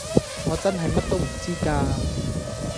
我真係乜都唔知㗎